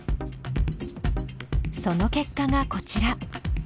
その結果がこちら。